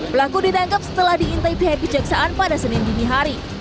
pelaku ditangkap setelah diintai pihak kejaksaan pada senin dini hari